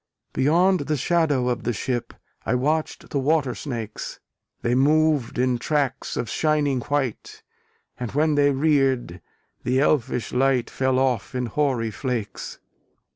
Beyond the shadow of the ship, I watched the water snakes: They moved in tracks of shining white, And when they reared, the elfish light Fell off in hoary flakes.